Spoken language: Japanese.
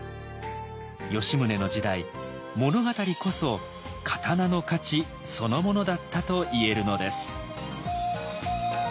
吉宗の時代物語こそ刀の価値そのものだったといえるのです。